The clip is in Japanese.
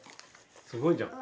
すごいじゃん。